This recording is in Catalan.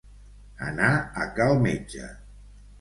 Anar a cal metge.